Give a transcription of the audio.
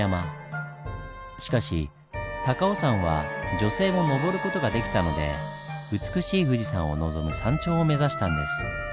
しかし高尾山は女性も登る事ができたので美しい富士山をのぞむ山頂を目指したんです。